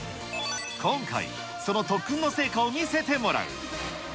今回、その特訓の成果を見せてもらう。